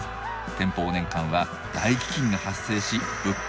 天保年間は大飢饉が発生し物価が高騰。